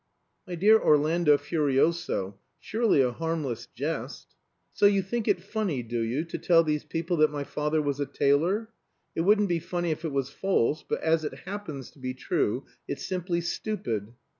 "My dear Orlando Furioso, surely a harmless jest " "So you think it funny, do you, to tell these people that my father was a tailor? It wouldn't be funny if it was false; but as it happens to be true, it's simply stupid."